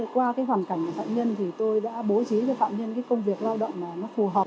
qua cái hoàn cảnh của phạm nhân thì tôi đã bố trí cho phạm nhân cái công việc lao động mà nó phù hợp